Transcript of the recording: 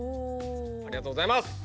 ありがとうございます！